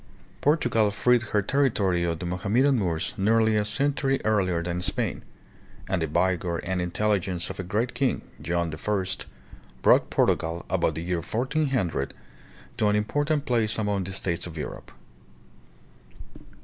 Portugal freed her territory of the Mohammedan Moors nearly a century earlier than Spain; and the vigor and intelligence of a great king, John I., brought Portugal, about the year 1400, to an important place among the states of Europe.